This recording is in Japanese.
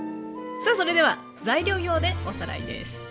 さあそれでは材料表でおさらいです。